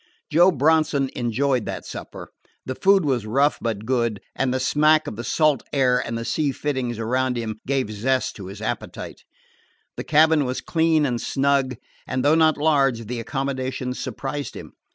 Joe Bronson enjoyed that supper. The food was rough but good, and the smack of the salt air and the sea fittings around him gave zest to his appetite. The cabin was clean and snug, and, though not large, the accommodations surprised him.